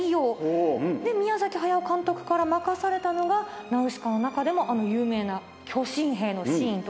で宮崎駿監督から任されたのが『ナウシカ』の中でもあの有名な巨神兵のシーンと。